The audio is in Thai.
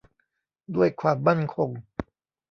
ด้วยความมั่นคง